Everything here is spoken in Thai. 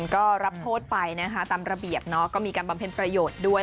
ก็รับโทษไปนะคะตามระเบียบเนาะก็มีการบำเพ็ญประโยชน์ด้วย